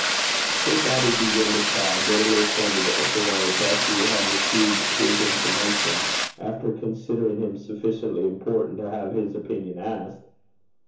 Here Bobby began to cry, bitterly offended at the way Bessy had received his information, after considering him sufficiently important to have his opinion asked.